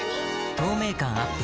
透明感アップ